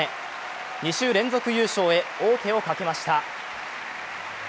２週連続優勝へ王手をかけました。